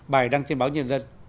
bài đăng trên báo nhân dân